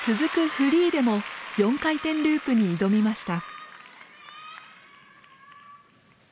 フリーでも４回転ループに挑みました。